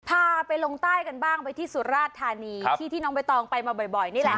พาไปลงใต้กันบ้างไปที่สุราชธานีที่ที่น้องใบตองไปมาบ่อยนี่แหละ